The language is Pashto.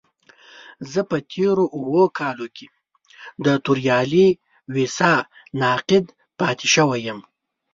زه په تېرو اوو کالو کې د توريالي ويسا ناقد پاتې شوی يم.